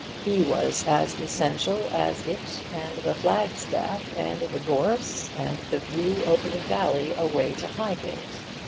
He was as essential as it and the flag staff and the gorse and the view over the valley away to Highgate.